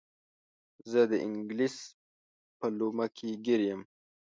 زه د انګلیس په لومه کې ګیر یم.